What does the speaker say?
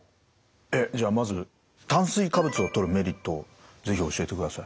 えっじゃあまず炭水化物をとるメリットを是非教えてください。